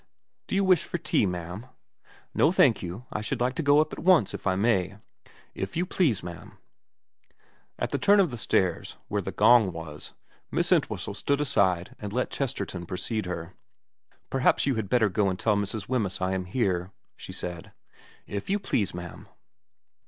' Do you wish for tea, ma'am ?'' No thank you. I should like to go up at once, if I may.' ' If you please, ma'am.' At the turn of the stairs, where the gong was, Miss Entwhistle stood aside and let Chesterton precede her. * Perhaps you had better go and tell Mrs. Wemyss I am here,' she said. * If you please, ma'am.'